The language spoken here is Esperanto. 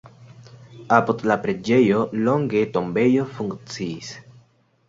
Apud la preĝejo longe tombejo funkciis.